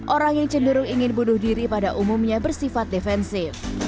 orang yang cenderung ingin bunuh diri pada umumnya bersifat defensif